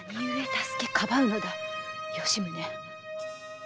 吉宗！